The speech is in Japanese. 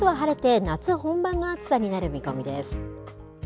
あすは晴れて夏本番の暑さになる見込みです。